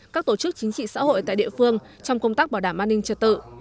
các tổ chức chính trị xã hội tại địa phương trong công tác bảo đảm an ninh trật tự